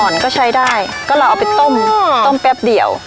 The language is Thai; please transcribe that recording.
ก็ใช้ได้ก็เราเอาไปต้มต้มแป๊บเดียว